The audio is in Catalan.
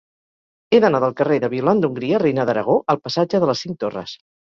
He d'anar del carrer de Violant d'Hongria Reina d'Aragó al passatge de les Cinc Torres.